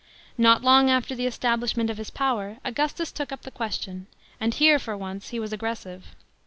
Not long after the establishment of his power, Augustus took up the question, and here for once, he was aggressive.